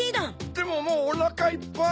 でももうおなかいっぱい。